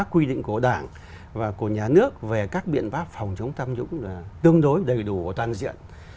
quy định của đảng và của nhà nước về các biện pháp phòng chống tham nhũng là tương đối đầy đủ và toàn diện